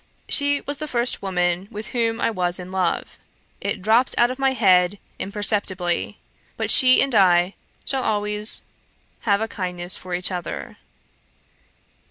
She was the first woman with whom I was in love. It dropt out of my head imperceptibly; but she and I shall always have a kindness for each other.'